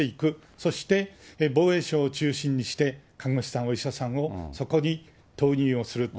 そして、防衛省を中心にして、看護師さん、お医者さんをそこに投入をすると。